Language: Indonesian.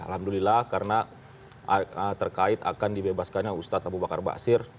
alhamdulillah karena terkait akan dibebaskannya ustadz abu bakar basir